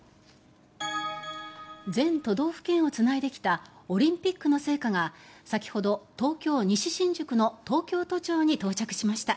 全都道府県をつないできたオリンピックの聖火が先ほど東京・西新宿の東京都庁に到着しました。